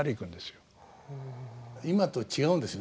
今と違うんですよね。